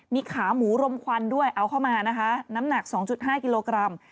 มีขาหมูรมควันด้วยเอาเข้ามานะคะน้ำหนัก๒๕กิโลกรัม